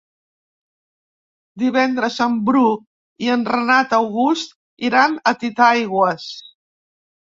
Divendres en Bru i en Renat August iran a Titaigües.